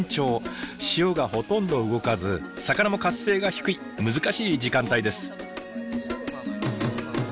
潮がほとんど動かず魚も活性が低い難しい時間帯です。